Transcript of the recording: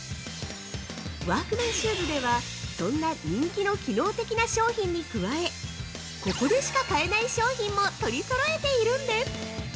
ワークマンシューズでは、そんな人気の機能的な商品に加えここでしか買えない商品も取り揃えているんです！